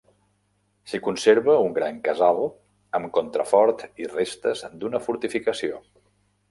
S'hi conserva un gran casal amb contrafort i restes d'una fortificació.